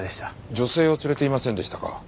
女性を連れていませんでしたか？